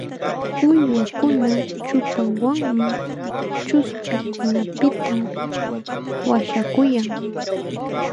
Uywakuna chupanwanmi chuspikunapita washakuyan.